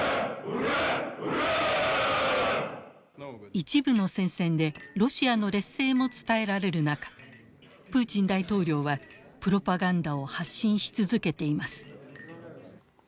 一部の戦線でロシアの劣勢も伝えられる中プーチン大統領はプロパガンダを発信し続けています。